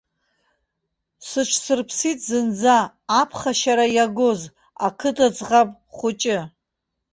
Сыҽсырԥсит зынӡа аԥхашьара иагоз ақыҭаӡӷаб хәыҷы.